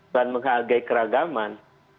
dan menghargai keragaman